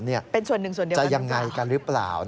เป็นส่วนหนึ่งส่วนเดียวจะยังไงกันหรือเปล่า